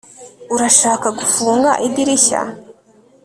urashaka gufunga idirishya